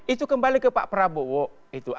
itu kembali ke pak prabowo itu